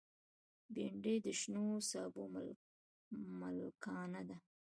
بېنډۍ د شنو سابو ملکانه ده